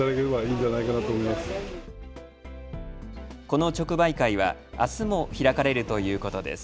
この直売会はあすも開かれるということです。